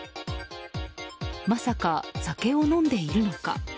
まさか酒を飲んでいるのか？